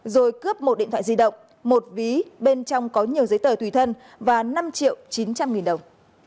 rồi cướp một điện thoại di động một ví bên trong có nhiều giấy tờ tùy thân và năm triệu chín trăm linh nghìn đồng